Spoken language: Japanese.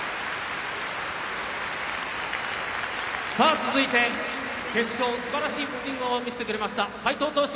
さあ続いて決勝すばらしいピッチングを見せてくれました斎藤投手